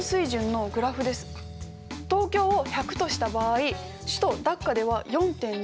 東京を１００とした場合首都ダッカでは４．２。